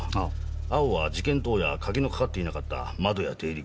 青は事件当夜鍵のかかっていなかった窓や出入り口。